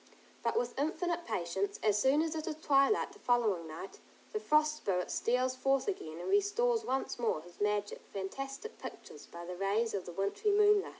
But with infinite patience, as soon as it is twilight the following night, the Frost Spirit steals forth again and restores once more his magic, fantastic pictures by the rays of the wintry moonlight.